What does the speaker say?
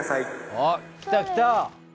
あっ来た来た。